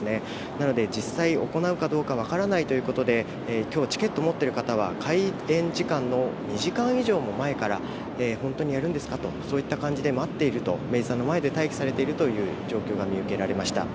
なので実際、行われるかどうか分からないということで今日チケットを持っている方は開演時間の２時間以上も前から本当にやるんですかとそういった感じで待っていると、明治座の前で待機されているという状況が見受けられました。